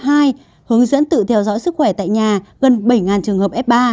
hướng dẫn tự theo dõi sức khỏe tại nhà gần bảy trường hợp f ba